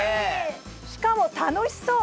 しかも楽しそう。